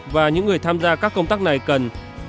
và những người tham gia các công tác này cần